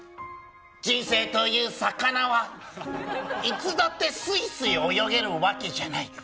人生という魚は、いつだってスイスイ泳げるわけじゃない。